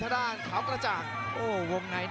พยายามจะต่อยมัน